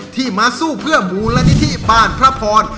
ที่มาสู้เพื่อมูลนิธิบ้านพระพร